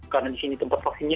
karena disini tempat vaksinnya